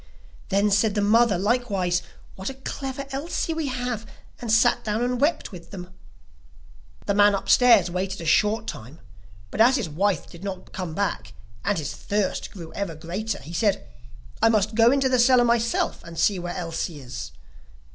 Then said the mother likewise: 'What a clever Elsie we have!' and sat down and wept with them. The man upstairs waited a short time, but as his wife did not come back and his thirst grew ever greater, he said: 'I must go into the cellar myself and see where Elsie is.